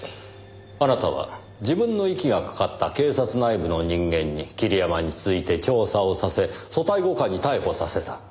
あなたは自分の息がかかった警察内部の人間に桐山について調査をさせ組対５課に逮捕させた。